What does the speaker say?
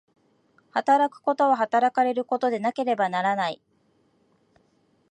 働くことは働かれることでなければならない。